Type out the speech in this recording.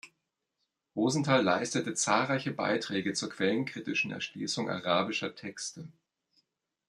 Rosenthal leistete zahlreiche Beiträge zur quellenkritischen Erschließung arabischer Texte.